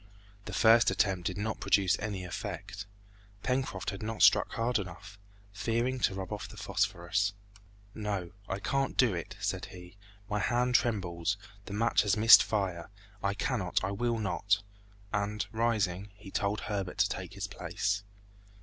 The first attempt did not produce any effect. Pencroft had not struck hard enough, fearing to rub off the phosphorus. "No, I can't do it," said he, "my hand trembles, the match has missed fire; I cannot, I will not!" and rising, he told Herbert to take his place.